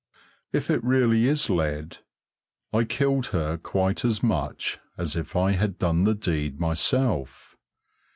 If it really is lead, I killed her quite as much as if I had done the deed myself.